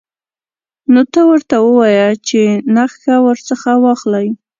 نو ته ورته ووایه چې نخښه ورڅخه واخلئ.